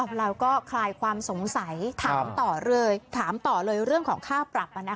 เราก็คลายความสงสัยถามต่อเลยถามต่อเลยเรื่องของค่าปรับ